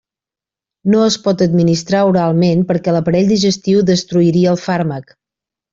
No es pot administrar oralment perquè l'aparell digestiu destruiria el fàrmac.